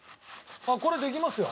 これできますよ。